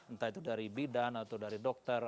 entah itu dari bidan atau dari dokter